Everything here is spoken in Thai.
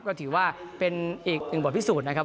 ก็ถือว่าเป็นอีกหนึ่งบทพิสูจน์นะครับ